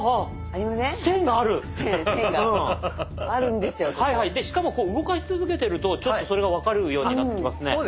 でしかも動かし続けてるとちょっとそれが分かるようになってきますね。